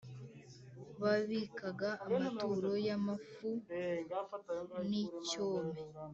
babikaga amaturo y amafu n icyome